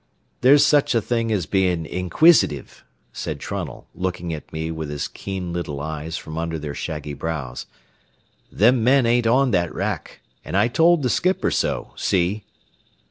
"There's such a thing as bein' inquisitive," said Trunnell, looking at me with his keen little eyes from under their shaggy brows. "Them men ain't on that wrack an' I told the skipper so, see?"